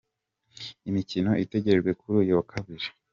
Imikino itegerejwe kuri uyu wa Kabiri